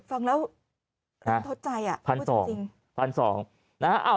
ฟังแล้วทดใจอะ